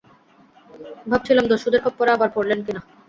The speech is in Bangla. ভাবছিলাম, দস্যুদের খপ্পড়ে আবার পড়লেন কিনা!